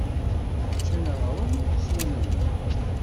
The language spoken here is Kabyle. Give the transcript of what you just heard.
Ččan aɣrum, swan aman.